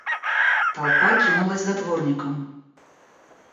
Толпа кинулась за дворником.